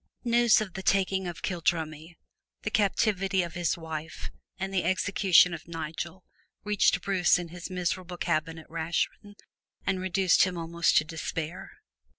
News of the taking of Kildrummie, the captivity of his wife and the execution of Nigel reached Bruce in his miserable cabin at Rachrin and reduced him almost to despair.